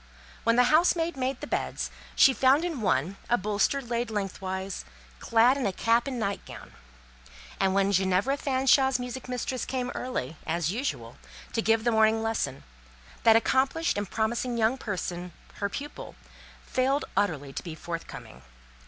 When the housemaid made the beds, she found in one, a bolster laid lengthwise, clad in a cap and night gown; and when Ginevra Fanshawe's music mistress came early, as usual, to give the morning lesson, that accomplished and promising young person, her pupil, failed utterly to be forthcoming.